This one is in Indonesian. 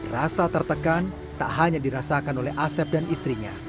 rasa tertekan tak hanya dirasakan oleh asep dan istrinya